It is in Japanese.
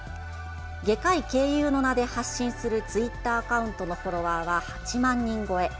外科医けいゆうの名で発信するツイッターアカウントのフォロワーは８万人超え。